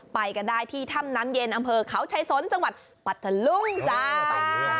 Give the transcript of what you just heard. ไปกันได้ที่ถ้ำน้ำเย็นอำเภอเขาชายสนจังหวัดปัทธลุงเจ้า